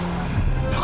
aku belum mati